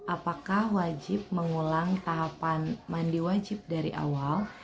apakah wajib mengulang tahapan mandi wajib dari awal